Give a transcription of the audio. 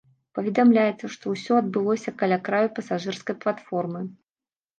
Паведамляецца, што ўсё адбылося каля краю пасажырскай платформы.